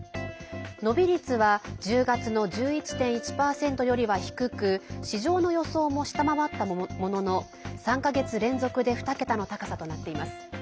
伸び率は１０月の１１．１％よりは低く市場の予想も下回ったものの３か月連続で２桁の高さとなっています。